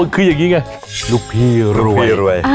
คืออย่างนี้ไงลูกพี่รวย